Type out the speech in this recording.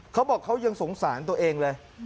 เขาบอกเขายังสงสารตัวเองเลย